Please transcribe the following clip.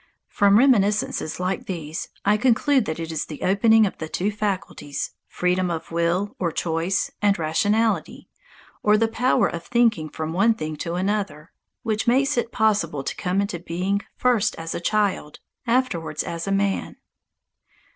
From reminiscences like these I conclude that it is the opening of the two faculties, freedom of will, or choice, and rationality, or the power of thinking from one thing to another, which makes it possible to come into being first as a child, afterwards as a man.